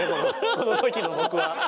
この時の僕は。